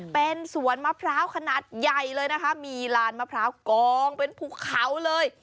เป็นสวนมะพร้าวขนาดใหญ่เลยนะคะมีลานมะพร้าวกองเป็นภูเขาเลย